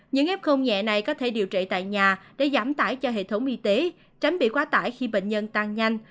những f nhẹ này có thể điều trị tại nhà để giảm tải cho hệ thống y tế tránh bị quá tải khi bệnh nhân tăng nhanh